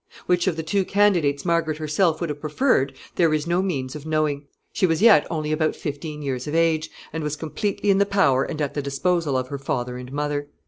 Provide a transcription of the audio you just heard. Which of the two candidates Margaret herself would have preferred there is no means of knowing. She was yet only about fifteen years of age, and was completely in the power and at the disposal of her father and mother.